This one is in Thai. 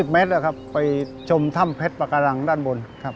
เมตรนะครับไปชมถ้ำเพชรปาการังด้านบนครับ